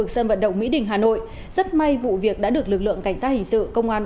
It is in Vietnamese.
sân vận động mỹ đình hà nội rất may vụ việc đã được lực lượng cảnh sát hình sự công an